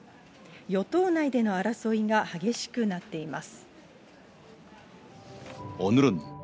与党内での争いが激しくなっています。